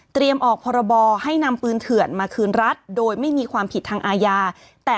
ออกพรบให้นำปืนเถื่อนมาคืนรัฐโดยไม่มีความผิดทางอาญา